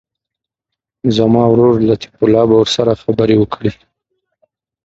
زما ورور لطیف الله به ورسره خبرې وکړي.